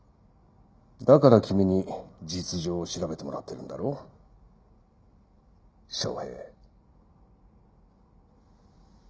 だから君に実情を調べてもらってるんだろ昭平。